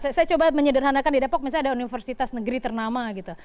saya coba menyederhanakan di depok misalnya ada universitas negeri ternama gitu